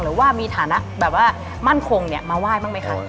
หรือว่ามีฐนะมั่นคงมาไหว่บ้างไหมค่ะ